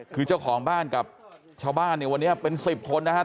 คือเจ้าของบ้านกับชาวบ้านเนี่ยวันนี้เป็น๑๐คนนะครับ